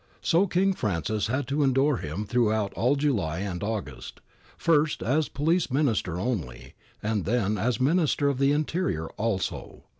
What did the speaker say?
So King Francis had to endure him throughout all July and August, first as Police Minister only and then as Minister of the Interior also.